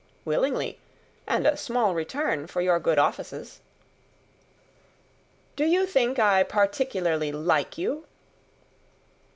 "Willingly, and a small return for your good offices." "Do you think I particularly like you?"